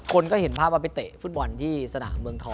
คนก็เห็นภาพว่าไปเตะฟุตบอลที่สนามเมืองทอง